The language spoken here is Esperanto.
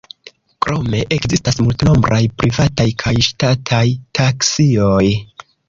Krome ekzistas multnombraj privataj kaj ŝtataj taksioj.